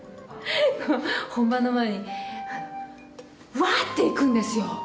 本番の前に「わぁ！って行くんですよ